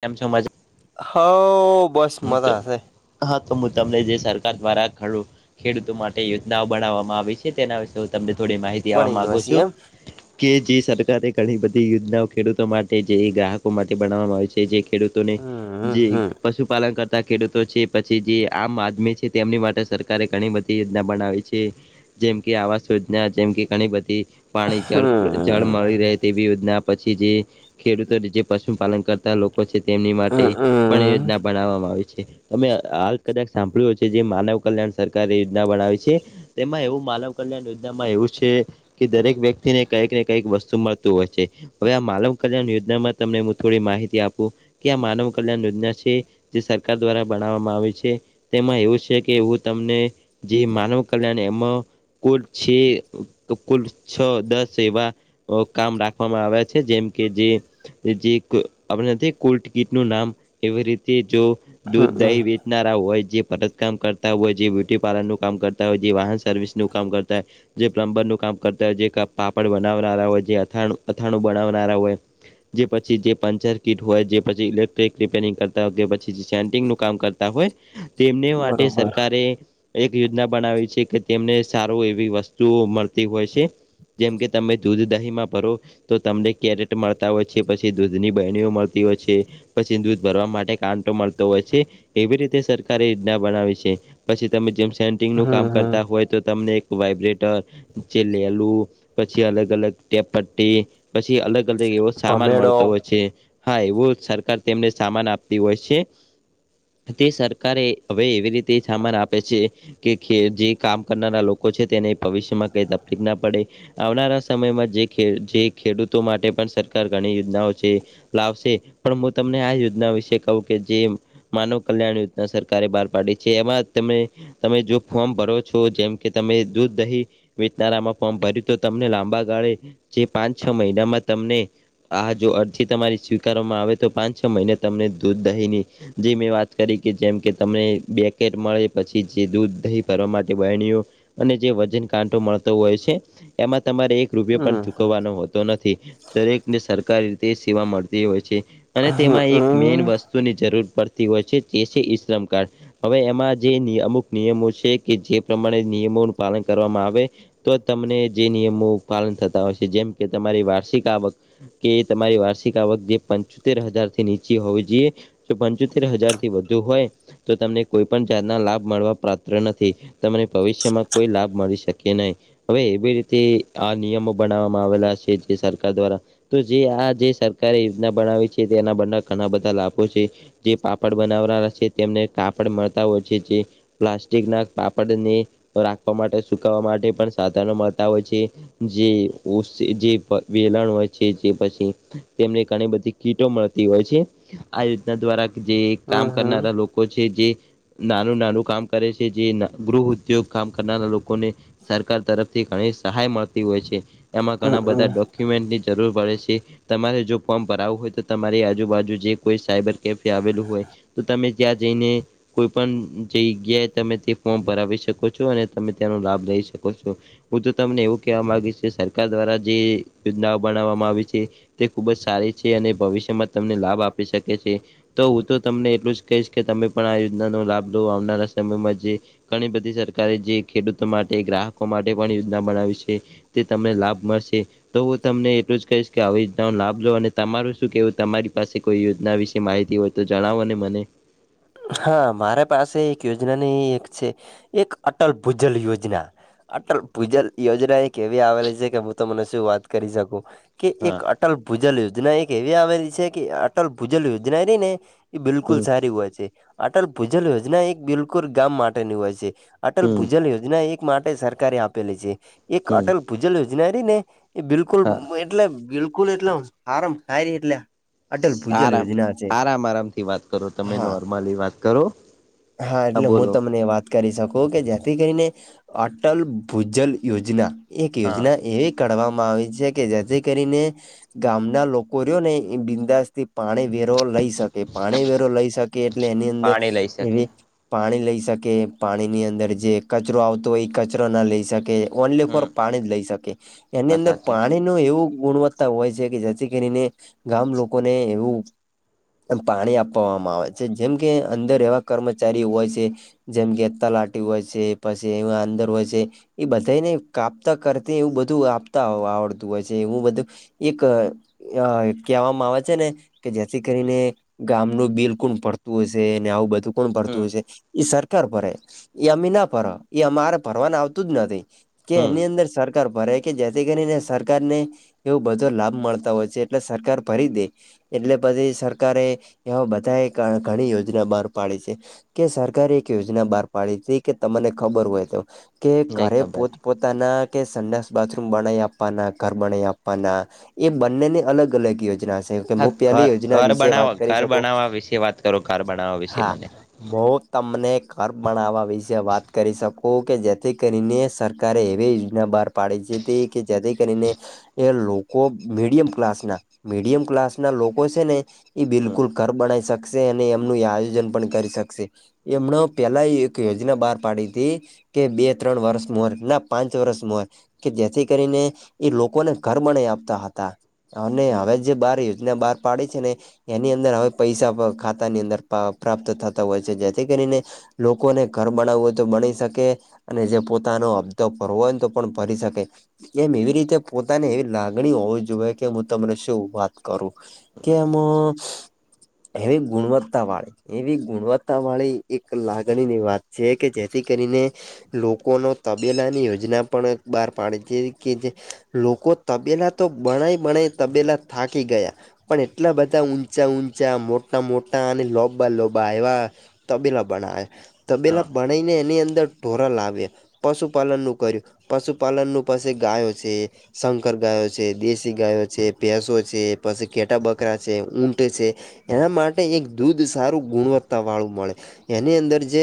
કેમ છો મજા હ, બસ મજા શે. હા, તો હું તમને જે સરકાર દ્વારા ખેડૂતો માટે યોજનાઓ બનાવવામાં આવી છે, તેના વિશે હ, તમને થોડી માહિતી આવવા બનીને માગુ હસી છું. એમ કે જે સરકારે ઘણી બધી યોજનાઓ ખેડૂતો માટે જે ગ્રાહકો માટે બનાવવામાં આવે છે, જે ખેડૂતોને હમ જે હમ પશુ કરતા ખેડૂતો છે, પછી જે આમ આદમી છે, તેમની માટે સરકારે ઘણી બધી યોજના બનાવી છે. જેમ કે આવાસ યોજના, જેમ કે ઘણી બધી પાણી જળ જળ મળી રહે તેવી યોજના, પછી જે ખેડૂતો જે પશુપાલન કરતા લોકો છે, તેમની માટે હમ પણ યોજના બનાવવામાં આવે છે, અમે હાલ કદાચ સાંભળ્યું હશે, જે માનવ કલ્યાણ સરકાર યોજના બનાવી છે. તેમાં એવું માનવ કલ્યાણ યોજનામાં એવું છે. કે દરેક વ્યક્તિને કંઈક ને કંઈક વસ્તુ મળતું હોય છે. હવે આ માનવ કલ્યાણ યોજનામાં તમને હું થોડી માહિતી આપું કે આ માનવ કલ્યાણ યોજના છે. જે સરકાર દ્વારા બનાવવામાં આવે છે, તેમાં એવું છે કે હું તમને જે માનવ કલ્યાણ એમાં કુલ છે કુલ છ દસ એવા કામ રાખવામાં આવે છે, જેમ કે જે જે આપ નથી કોલ ટિકિટનું નામ એવી રીતે જો હમ દૂધ, હમ દહી હોય જે ભરત કામ કરતા હોય, જે બ્યુટી પાર્લર નું કામ કરતા હોય, જે વાહન સર્વિસનું કામ કરતાય, જે પ્લમ્બરનું કામ કરતા, જે પાપડ બનાવનારા હોય, જે અથાણ અથાણું બનાવનારા હોય, જે પછી જે પંચર કિટ હોય, જે પછી ઇલેક્ટ્રિક રિપેરિંગ કરતા હોય શેન્ટિંગનું કામ કરતા હોય, તેમને માટે બરોબર સરકારે એક યોજના બનાવી છે કે તેમને સારું એવી વસ્તુઓ મળતી હોય છે. જેમ કે તમે દુધ દાહીમાં ભરો તો તમને કેરેટ મળતા હોય છે, પછી દૂધની બહેણીઓ મળતી હોય છે, પછી દૂધ ભરવા માટે કાંટો મળતો હોય છે, એવી રીતે સરકારે યોજના બનાવી છે. પછી તમે જેમ સેન્ટિંગ નું કામ હમ હમ કરતા હોય તો, તમને એક વાઈબ્રેટર જે લેલું પછી અલગ, અલગ ટેપ પટ્ટી પછી અલગ, અલગ એવો સામાન ભમેડો મળતો હોય છે. હા, એવું સરકાર તેમને સામાન આપતી હોય છે, તે સરકા કારે હવે એવી રીતે સામાન આપે છે. કે ખે જે કામ કરનારા લોકો છે, તેને ભવિષ્યમાં કઈ તકલીફ ના પડે. આવનારા સમયમાં જે ખે જે ખેડૂતો માટે પણ સરકાર ઘણી યોજનાઓ છે. લાવશે પણ હું તમને આ યોજના વિશે કઉ કે જે માનવ કલ્યાણ યોજના સરકારે બહાર પાડી છે એમાં તમે તમે જો ફોર્મ ભરો છો જેમ કે તમે દૂધ દહીં વેચનારામાં ફોર્મ ભર્યું તો લાંબા ગાળે જે પાંચ છ મહિનામાં તમને આ જો અરજી તમારી સ્વીકારવામાં આવે તો પાંચ છ મહિને તમને દૂધ દહીની જે મેં વાત કરી કે જેમ કે તમને બેકેટ મળે પછી જે દૂધ દહી ફરવા માટે બરણીઓ અને જે વજન કાંટો મળતો હોય સે એમાં તમારે એક રૂપિયો પણ હમ હમ ચૂકવવાનો હોતો નથી દરેકને સરકારી રીતે સેવા મળતી હોય છે અને તેમાં એક મેન હમ વસ્તુ વસ્તુની જરૂર પડતી હોય છે જે છે ઈશ્રમ કાર્ડ. હવે એમાં જે ની અમુક નિયમો છે કે જે પ્રમાણે નિયમોનું પાલન કરવામાં આવે તો તમને જે નિયમો પાલન થતા હોય છે જેમ કે તમારી વાર્ષિક આવક કે તમારી વાર્ષિક આવક જે પંચોતેર હજાર થી નીચી હોવી જોઈએ જો પંચોતેર હજાર થી વધુ હોય તો તમને કોઈ પણ જાતના લાભ મળવા પાત્ર નથી. તમને ભવિષ્યમાં કોઈ લાભ મળી શકે નહીં. હવે એવી રીતે આ નિયમો બનાવવામાં આવેલા છે જે સરકાર દ્વારા તો જે આ જે સરકારે યોજના બનાવી છે તેના બના ઘણા બધા લાભો છે જે પાપડ બનાવનારા છે તેમને કાપડ મળતા હોય છે જે પ્લાસ્ટિક ના પાપડને રાખવા માટે સુકવા માટે પણ સાધનો મળતા હોય છે. જે ઉસ જે વેલણ હોય છે જે પછી તેમને ઘણી બધી કીટો મળતી હોય છે આ યોજના દ્વારા જે કામ હમ કરનારા લોકો છે જે નાનું નાનું કામ કરે છે જે ગૃહ ઉદ્યોગ કામ કરનારા લોકોને સરકાર તરફથી ઘણી સહાય મળતી હોય છે એમાં હમ ઘણા હમ બધા ડક [unintelligible] ની જરૂર પડે છે તમારે જો ફોર્મ ભરાવું હોય તો તમારી આજુબાજુ જે કોઈ સાયબર કેમ કે આવેલું હોય તો તમે ત્યાં જઈને કોઈ પણ જગ્યાએ તમે તે ફોર્મ ભરાવી શકો છો અને તમે તેનો લાભ લઈ શકો છો. હું તો તમને એવું કહેવા માંગીશ કે સરકાર દ્વારા જે યોજનાઓ બનાવવામાં આવે છે તે ખુબ જ સારી છે અને ભવિષ્યમાં તમને લાભ આપી શકે છે. તો હું તો તમને એટલું જ કહીશ કે તમે પણ આ યોજનાનો લાભ લો આવનારા સમયમાં જે ઘણી બધી સરકારે જે ખેડૂતો માટે ગ્રાહકો માટે પણ યોજના બનાવી છે. એ તે તમને લાભ મળશે તો હું તમને એટલું જ કહીશ કે આવી રીતના લાભ લો અને તમારું શું કેવું તમારી પાસે કોઈ યોજના વિશે માહિતી હોય તો જણાવો ને મને? હા મારા પાસે એક યોજનાની એક છે એક અટલ ભૂજલ યોજના અટલ ભૂજલ યોજના એક કેવી આવેલી છે કે હું તમને શું વાત કરી શકું કે એક હા અટલ ભૂજલ યોજના એક એવી આવેલી છે કે અટલ ભૂજલ યોજના રી ને એ બિલકુલ હમ સારી હોય છે અટલ ભૂજલ યોજના એક બિલકુલ ગામ માટેની હોય છે. અટલ હમ ભૂજલ યોજના એક માટે સરકારે આપેલી છે એક હમ અટલ ભૂજલ યોજના રહી ને એ બિલકુલ હા એટલે બિલકુલ એટલે હારામાં હારી એટલે અટલ ભૂજલ આરામ યોજના છે આરામ આરામથી વાત કરો તમે હા નોર્મલી વાત કરો હા એટલે હું તમને વાત કરી શકો, કે જેથી કરીને અટલ ભૂજલ યોજના. એક હા યોજના એવી કાઢવામાં આવી છે, કે જેથી કરીને ગામના લોકો રહ્યો ને એ બિંદાસ થી પાણી વેરો લઈ શકે. પાણી વેરો લઈ શક કે એટલે એની અંદર પાણી લઈ શકે એવી પાણી લઈ શકે, પાણી ની અંદર જે કચરો આવતો હોય ઈ કચરો ના લઈ શકે ઓનલી ફોર હમ પાણી જ લઈ શકે. એની વાત અંદર સાચી પાણ ણી નું એવું ગુણવત્તા હોય છે, કે જેથી કરીને ગામ લોકોને એવું એમ પાણી આપવવામાં આવે છે. જેમ કે અંદર એવા કર્મચારી હોય છે જેમ કે તલાાટી હોય છે, પછી એવા અંદર હોય છે ઈ બધાઈને કાપતા કરતે એવું બધું આપતા આવડતું હોય છે એવું બધું. એક અહ-અહ કહેવામાં આવે છે ને કે જેથી કરીને ગામનું બિલ કોણ ભરતું હશે, ને આવું બધું કોણ હમ ભરતું હશે. ઈ સરકાર ભરે. ઈ અમે ના ભરહ. ઈ અમારે ભરવાનું આવતું જ નથી. કે હમ એની અંદર સર કાર ભરે, કે જેથી કરીને સરકારને એવું બધો લાભ મળતા હોય છે, એટલે સરકાર ભરી દે. એટલે પછી સરકારે એવા બધાએ ઘ ઘણી યોજના બહાર પાડી છે, કે સરકારે એક યોજના બહાર પાડી છે, કે તમને ખબર હોય તો. કે નઈ ઘરે ખબર પોત-પોતાના કે સંડાસ, બાથરૂમ બનાઈ આપવાના, ઘર બનાઈ આપવાના. એ બંનેની અલગ-અલગ યોજના સ. હા. ઘર-ઘર બનાવવા ઘર શકું બનાવવા વિશે વાત કરો, ઘર બનાવવા વિશે મને. મો તમને ઘર બનાવવા વિશે વાત કરી શકું, કે જેથી કરીને સર કારે એવી યોજના બહાર પાડી છે, તે કે જેથી કરીને એ લોકો મીડિયમ ક્લાસના, મીડિયમ ક્લાસ ના લોકો છે ને ઈ બિલકુલ ઘર બણાઈ શકશે, અને એમનું એ આયોજન પણ કરી શકશે. એમણો પહેલા એક યોજના બહાર પાડી તી કે બે-ત્રણ વર્ષ મોર, ના પાંચ વર્ષ મોર કે જેથી કરીને ઈ લોકોને ઘર બણાઈ આપતા હતા. અને હવે જે બહાર યોજના બહાર પાડી છે ને, એની અંદર હવે પૈસા ખાતા ની અંદર પા પ્રાપ્ત થતા હોય છે. જેથી કરીને લોકોને ઘર બનાવવું હોય તો બનાય શકે. અને જે પોતાનો હપ્તો ભરવો હોય ને તો પણ ભરી શકે. એમ એવી રીતે પોતાની એવી લાગણી હોવી જોવે, કે હું તમને શું વાત કરું. કે એમ એવી ગુણવત તા વાળી, એવી ગુણવત્તા વાળી એક લાગણીની વાત છે, કે જેથી કરીને લોકોનો તબેલાની યોજના પણ એક બહાર પાડી તી એવી કે જે લોકો તબેલા તો બણાય-બણાય તબેલા થાકી ગયા. પણ એટલા બધા ઊંચા-ઊંચા મોટા-મોટ ટા અને લોબા-લોબા એવા તબેલા બનાયા. તબેલા હા બન નાઈ ને એની અંદર ઢોરો લાવ્યા. પશુપાલન નું કર્યું. પશુપાલનનું પસી ગાયો છે. શંકર ગાયો છે, દેશી ગાયો છે, ભેંસો છે, પસી ઘેટા-બકરા છે, ઊંટ છે. એના માટે એક દૂધ સારું ગુણવત્તા વાળું મળે. એની અંદર જે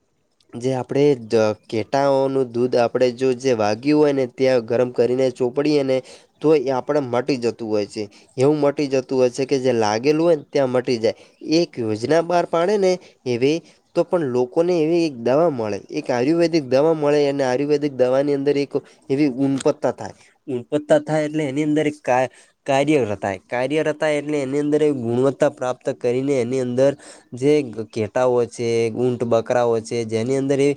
[inaudible] જે આપણે જ ઘેટાઓનું દૂધ આપણે જો જે વાગ્યું હોય ને ત્યાં ગરમ કરીને ચોપડીએ ને તો એ આપણેે મટી જતું હોય છે. એવું મટી જતું હોય છે, કે જે લાગેલું હોય ને ત્યાં મટ ટી જાય એક યોજના બહાર પાડે ને એવી તો પણ લોકોને એવી એક દવા મળે. એક આયુર્વેદિક દવા મળે અને આયુર્વેદિક દવાની અંદર એક એવી ઊંપત્તા થાય ઊંપત્તા થાય એટલે એની અંદર એક કા કાર્ય રતાય કાર્ય રતાય એટલે એની અંદર એ ગુણવત્તા પ્રાપ્ત કરીને એની અંદર જે ઘેટાઓ છે, ઊંટ બકરાઓ છે જેની અંદર એ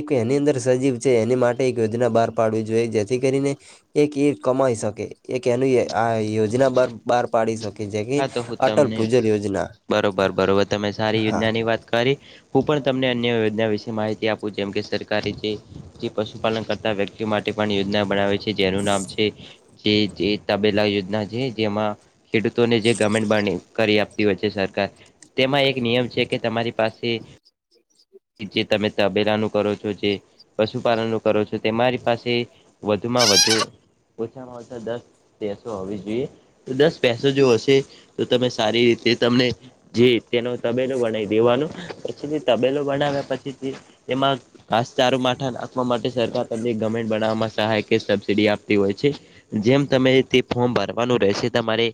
એક એની અંદર સજીવ છે એની માટે એક યોજના બહાર પાડવી જોઈએ જેથી કરીને એક એ કમાઈ શકે. એક એનું આ યોજના બાર બહાર પાડી શકે જે કે હા તો હું અટલ તમને ભુજલ યોજ બરોબર બરોબર તમે સારી યોજના ની વાત કરી. હું પણ તમને અન્ય યોજના વિશે માહિતી આપું, જેમ કે સરકારે જે જે પશુપાલન કરતા વ્યક્તિઓ માટે પણ યોજના બનાવે છે જેનું નામ છે, જે જે તબેલા યોજના છે જેમાં ને જે ગર્મેન્ટ કરી આપતી હોય છે સરકાર. તેમાં એક નિયમ છે કે તમારી પાસે જે તમે તબેલા નું કરો છો જે પશુપાલન નું કરો છો, તો તમારી પાસે વધુમાં વધુ ઓછામાં ઓછા દસ દસો હોવી જોઈએ. દસ પૈસો જો હશે તો તમે સારી રીતે તમને જી તેનો તબેલો ગનાઈ દેવાનું પછી તબેલો વણાવ્યા પછી એમાં ઘાસચારો માથા આપવા માટે સરકાર તમને ગવર્મેન્ટ બનાવવામાં સહાય કે સબસીડી આપતી હોય છે. જેમ તમે તે ફોર્મ ભરવાનું રહેશે તમારે.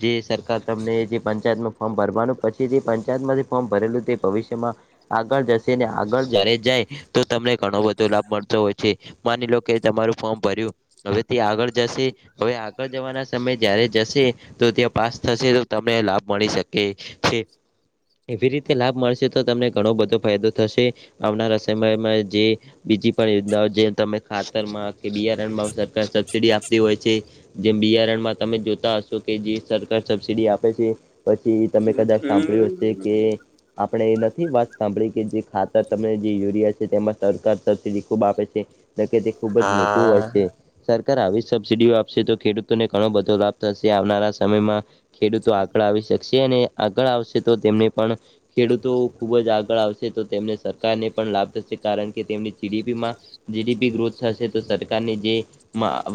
જે સરકાર તમને જે પંચાયતનુ ફોર્મ ભરવાનું પછી જે પંચાયતમાંથી ફોર્મ ભરેલું તે ભવિષ્યમાં આગળ જશે ને આગળ જયારે જાય તો તમને બધો લાભ મળતો હોય છે. માની લો કે તમારું ફોર્મ ભર્યું. હવે તે આગળ જશે હવે આગળ જવાના સમયે જયારે જશે તો ત્યાં પાસ થશે તો તમને લાભ મળી શકે છે. એવી રીતે લાભ મળશે તો તમને ઘણો બધો ફાયદો થશે, આવનારા સમયમાં જે બીજી પણ યોજનાઓ જે તમે ખાતરમાં કે બિયારણમાં સરકાર સબસીડી આપતી હોય છે. જેમ બિયારણમાં તમે જોતા હશો કે જે સરકાર સબસીડી આપે છે. પછી તમે કદાચ સાંભળ્યું હશે કે આપણે નથી વાત સાંભળી કે જે ખાતર તમને જે યુરિયા છે તેમાં સરકાર તરફી ખૂબ આપે છે. તો કે તે ખુબ જ મોંઘું હોય હા છે. સરકાર આવી જ સબસીિડીઓ આપશે તો ખેડૂતોને ઘણો બધો લાભ થશે આવનારા સમયમાં. ખેડૂતો આગળ આવી શકશે અને આગળ આવશે તો તેમને પણ ખેડૂતો ખુબ જ આગળ આવશે તો તેમને સરકારને પણ લાભ થશે કારણ કે તેમની જીડીપીમાં જીડીપી ગ્રોથ થ તો સરકારની જે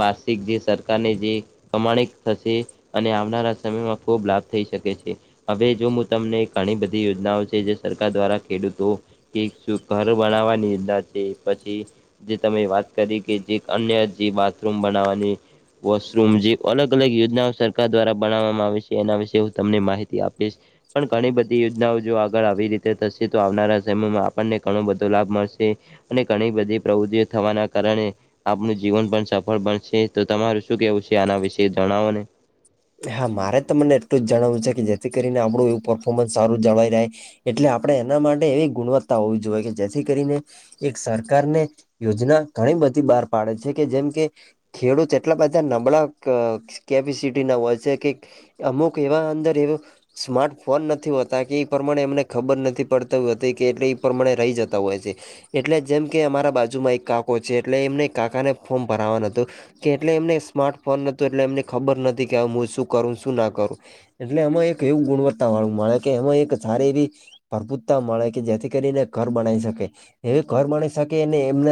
વાર્ષિક જે સરકારની જે પ્રમાણિત થશે અને આવનારા સમયમાં ખૂબ લાભ થઈ શકે છે. હવે જો હું તમને ઘણી બધી યોજનાઓ છે જે સરકાર દ્વારા કેડૂતો કે શું ઘર બનાવવાની. પછી જે તમે વાત કરી કે જે અન્ય જે બાથરૂમ બનાવાની. વોશરૂમ જે અલગ અલગ યોજનાઓ સરકાર દ્વારા બનાવવામાં આવે છે એના વિશે હું તમને માહિતી આપીશ. પણ ઘણી બધી યોજનાઓ જો આગળ આવી રીતે થશે. આવનારા સમયમાં આપણને ઘણો બધો લાભ મળશે. અને ઘણી બધી પ્રવૃતિઓ થવાના કારણે આપનું જીવન પણ સફળ બનશે. તો તમારું શું કેવું છે આના વિશે જણાવો ને! હા મારે તમને એટલું જણાવવું છે કે જેથી કરીને આપણું એવું પરર્ફોર્મન્સ સારું જળવાઈ રહે. એટલે આપણે એના માટે એવી ગુણવત્તા હોવી જોઈએ કે જેથી કરીને એક સરકાર ને યોજના ઘણી બધી બહાર પાડે છે કે જેમ કે ખેડૂત એટલા બધા નબળા કેપેસિટી ના હોય છે કે અમુક એવા અંદર એવું સ્માર્ટ ફોન નથી હોતા કે એ પ્રમાણે એમને ખબર નથી પડતી હોતી કે એટલે એ પ્રમાણે રહી જતા હોય છે. એટલે જેમ કે અમારા બાજુમાં એક કાકો છે એટલે એમને કાકાને ફોર્મ ભરાવાનું હતું. કે એટલે એમને સ્માર્ટ ફોન ન હતુ એટલે એમને ખબર નથી કે હું શું કરું શું ના કરું? એટલે એમાં એક એવું ગુણવત્તા વાળું મળે કે એમાં એક સારી એવી ભરપૂરતા મળે કે જેથી કરીને ઘર બનાવી શકે, એ ઘર બના શકે ને એમને